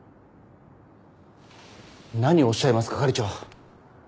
何をおっしゃいます係長。